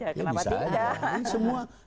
ya bisa aja kenapa tidak